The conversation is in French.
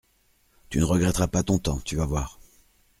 Tu ne regretteras pas ton temps ; tu vas voir.